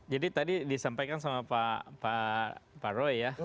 jadi tadi disampaikan sama pak roy ya